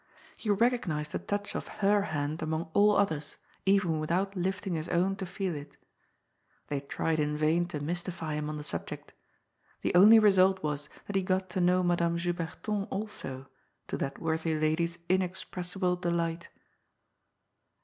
He recognized the touch of her hand among all others, even without lifting his own to feel it They tried in vain to mystify him on tiie subject. The only result was that he got to know Madame Juberton also, to that worthy lady's inexpressible delight.